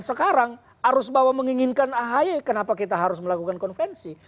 sekarang arus bawah menginginkan ahy kenapa kita harus melakukan konvensi